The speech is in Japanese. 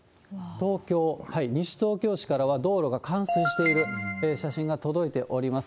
東京・西東京市からは道路が冠水している写真が届いております。